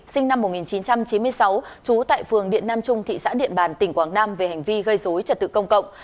sinh năm một nghìn chín trăm chín mươi sáu trú tại phường điện nam trung thị xã điện bàn tỉnh quảng nam về hành vi gây dối trật tự công cộng